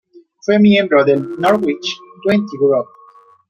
Fue miembro del Norwich Twenty Grup.